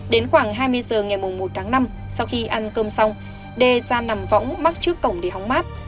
đến khoảng hai mươi giờ ngày một tháng năm sau khi ăn cơm xong đê ra nằm võng mắc trước cổng để hóng mát